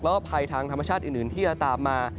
แล้วก็ภัยทางธรรมชาติอื่นที่จะตามมา